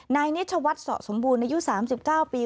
นายนิชวัฒน์สะสมบูรณ์อายุ๓๙ปี